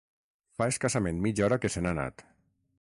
Fa escassament mitja hora que se n'ha anat.